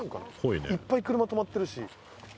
「いっぱい車止まってるし」